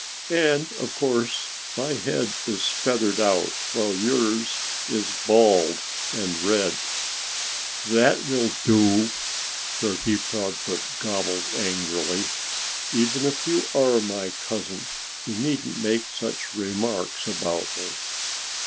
And of course my head is feathered out, while yours is bald and red." "That will do!" Turkey Proudfoot gobbled angrily. "Even if you are my cousin you needn't make such remarks about me."